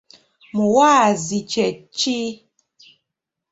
Muwaazi kye ki?.